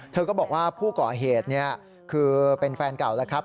เธอก็บอกว่าผู้ก่อเหตุคือเป็นแฟนเก่าแล้วครับ